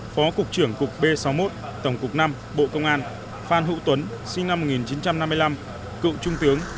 phó cục trưởng cục b sáu mươi một tổng cục v bộ công an phan hữu tuấn sinh năm một nghìn chín trăm năm mươi năm cựu trung tướng